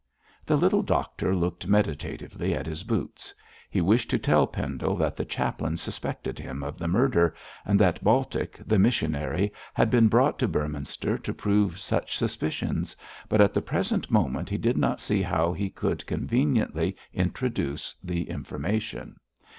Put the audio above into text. The little doctor looked meditatively at his boots. He wished to tell Pendle that the chaplain suspected him of the murder, and that Baltic, the missionary, had been brought to Beorminster to prove such suspicions, but at the present moment he did not see how he could conveniently introduce the information.